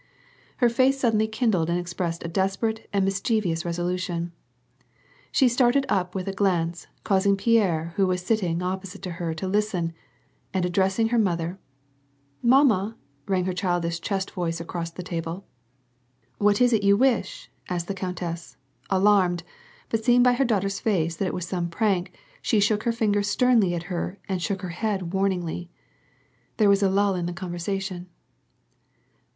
Her face suddenly kindled and expressed a desperate and mischievous resolution. She started u[) with a glance, caus ing Pierre who was sitting opposite to her to listen, and ad dressed her mother. "Mamma," rang her childish chest voice across the t ble. " What is it y©u wish ?" asked the countess, alarmed ; but seeing by her daughter's face that it was some prank, she shook her finger sternly at her and shook her head warningly. There was a lull in the conversation.